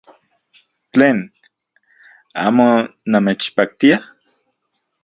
¡Tlen! ¿Amo namechpaktia?